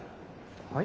はい？